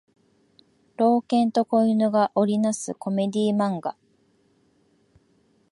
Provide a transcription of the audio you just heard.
老人と子犬が織りなすコメディ漫画